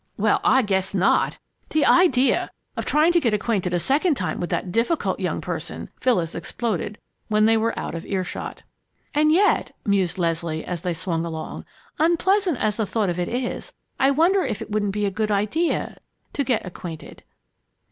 "Well, I guess not! The idea of trying to get acquainted a second time with that difficult young person!" Phyllis exploded, when they were out of ear shot. "And yet," mused Leslie as they swung along, "unpleasant as the thought of it is, I wonder if it wouldn't be a good idea to get acquainted?"